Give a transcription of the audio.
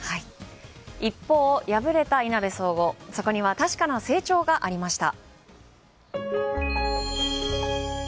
一方、敗れた、いなべ総合、そこには確かな成長がありました。